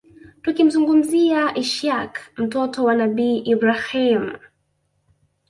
Tukimzungumzia ishaaq mtoto wa Nabii Ibraahiym